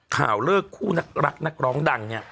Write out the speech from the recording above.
ข่าวเลิกคู่นักรักนักร้องดังเนี่ย